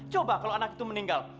coba kalau anak itu meninggal